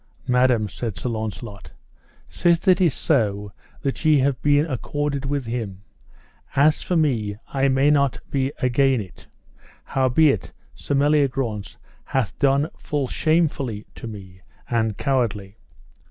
Madam, said Sir Launcelot, sith it is so that ye been accorded with him, as for me I may not be again it, howbeit Sir Meliagrance hath done full shamefully to me, and cowardly.